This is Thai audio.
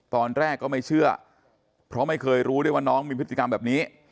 ตอนแรกก็ไม่เชื่อเพราะไม่เคยรู้ได้ว่าน้องมีพฤติกรรมแบบนี้